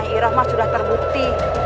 nyai irohma sudah terbukti